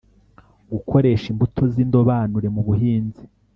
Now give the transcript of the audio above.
gukoresha imbuto z'indobanure mu buhinzi